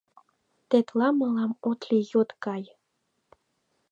Тетла мылам от лий йот гай.